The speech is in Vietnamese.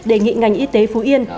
đề nghị ngành y tế phú yên